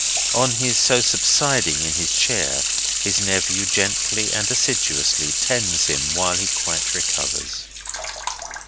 On his so subsiding in his chair, his nephew gently and assiduously tends him while he quite recovers.